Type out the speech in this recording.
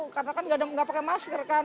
karena kan nggak pakai masker kan